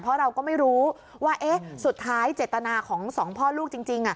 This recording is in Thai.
เพราะเราก็ไม่รู้ว่าสุดท้ายเจตนาของสองพ่อลูกจริง